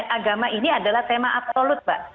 agama ini adalah tema absolut mbak